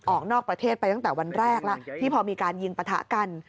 ออกนอกประเทศไปตั้งแต่วันแรกแล้วที่พอมีการยิงปะทะกัน